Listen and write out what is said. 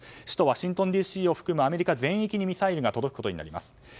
首都ワシントンＤＣを含むアメリカの大都市にミサイルが届くことになります。